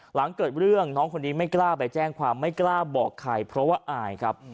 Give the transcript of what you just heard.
หลังเกิดเรื่องน้องคนนี้ไม่กล้าไปแจ้งความไม่กล้าบอกใครเพราะว่าอายครับ